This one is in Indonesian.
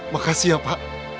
makasih ya pak